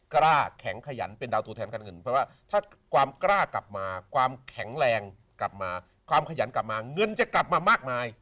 กล้าแข็งขยันเป็นดาวตัวแทนการเงินเพราะว่าถ้าความกล้ากลับมาความแข็งแรงกลับมาความขยันกลับมาเงินจะกลับมามากมาย